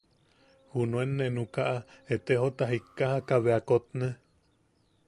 Junuen nee nukaʼa etejota jikkajaka bea kotne.